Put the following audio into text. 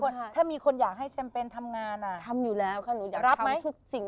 พ่อหมอดูนี้ถ้าเป็นวงการบันเทิง